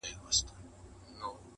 نه په صرفو نه په نحو دي پوهېږم٫